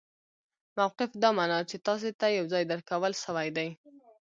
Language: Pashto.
موقف دا مانا، چي تاسي ته یو ځای درکول سوی يي.